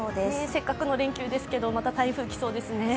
せっかくの連休ですけど、また台風が来そうですね。